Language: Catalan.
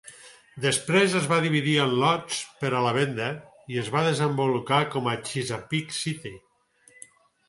Després es va dividir en lots per a la venda i es va desenvolupar com Chesapeake City.